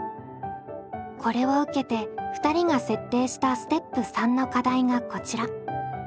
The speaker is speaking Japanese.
これを受けて２人が設定したステップ３の課題がこちら。